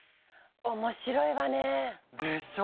面白いわね。でしょう？